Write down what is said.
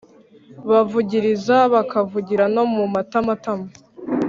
bavugiriza, bakavugira no mu matamatama»,